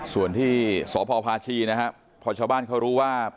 ส่วนที่สพพาชีนะครับพอชาวบ้านเขารู้ว่า